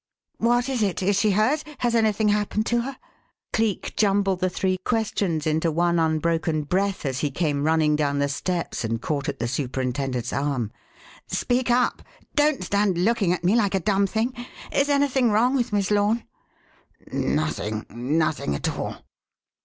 "What is it? Is she hurt? Has anything happened to her?" Cleek jumbled the three questions into one unbroken breath as he came running down the steps and caught at the superintendent's arm. "Speak up! Don't stand looking at me like a dumb thing! Is anything wrong with Miss Lorne?" "Nothing nothing at all."